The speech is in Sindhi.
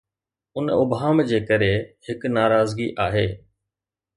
ان ابهام جي ڪري، هڪ ناراضگي آهي.